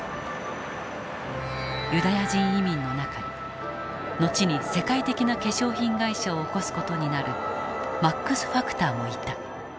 ユダヤ人移民の中に後に世界的な化粧品会社を興す事になるマックス・ファクターもいた。